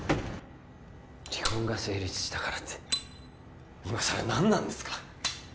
離婚が成立したからっていまさら何なんですか